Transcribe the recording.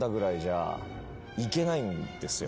いけないんですよ。